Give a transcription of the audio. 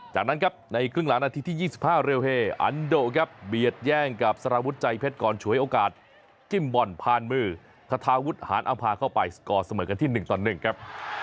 จากนั้นครับในครึ่งหลังนาทีที่๒๕เรลเฮอันโดครับเบียดแย่งกับสารวุฒิใจเพชรก่อนฉวยโอกาสจิ้มบอลผ่านมือทาวุฒิหารอำพาเข้าไปสกอร์เสมอกันที่๑ต่อ๑ครับ